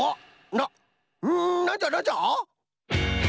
ななんじゃなんじゃ！？